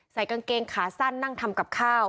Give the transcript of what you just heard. กางเกงขาสั้นนั่งทำกับข้าว